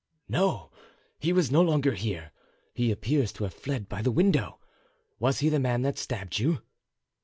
"No, he was no longer here; he appears to have fled by the window. Was he the man that stabbed you?"